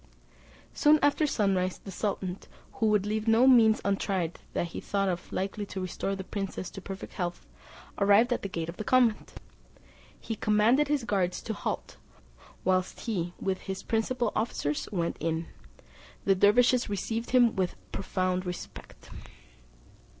Soon after sunrise the sultan, who would leave no means untried that he thought likely to restore the princess to perfect health, arrived at the gate of the convent. He commanded his guards to halt, whilst he with his principal officers went in. The dervises received him with profound respect.